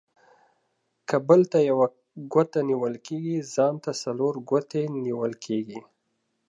که بل ته يوه گوته نيول کېږي ، ځان ته څلور گوتي نيول کېږي.